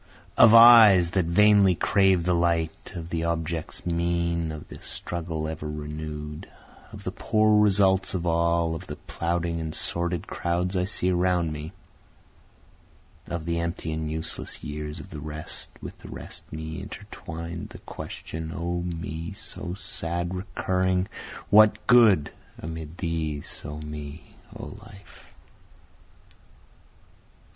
Of eyes that vainly crave the light, of the objects mean, of the struggle ever renew'd, Of the poor results of all, of the plodding and sordid crowds I see around me, Of the empty and useless years of the rest, with the rest me intertwined, The question, O me! so sad, recurring What good amid these, O me, O life?